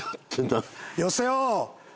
よせよ！